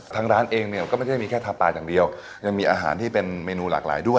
ทางร้านเองเนี่ยก็ไม่ได้มีแค่ทาปลาอย่างเดียวยังมีอาหารที่เป็นเมนูหลากหลายด้วย